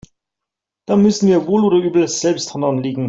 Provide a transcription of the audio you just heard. Da müssen wir wohl oder übel selbst Hand anlegen.